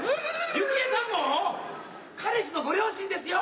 幸恵さんも⁉彼氏のご両親ですよ。